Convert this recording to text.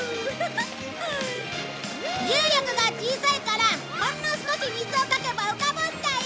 重力が小さいからほんの少し水をかけば浮かぶんだよ！